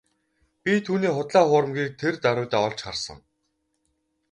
Би түүний худал хуурмагийг тэр даруйдаа олж харсан.